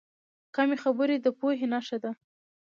کمې خبرې، د پوهې نښه ده.